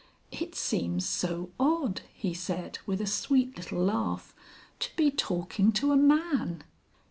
"It seems so odd," he said with a sweet little laugh, "to be talking to a Man!"